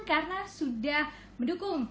karena sudah mendukung